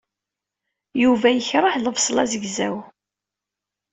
Yuba yekreh lebṣel azegzaw.